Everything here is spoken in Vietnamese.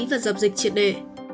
và dập dịch triệt đệ